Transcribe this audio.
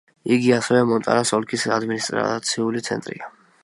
იგი ასევე მონტანის ოლქის ადმინისტრაციული ცენტრია.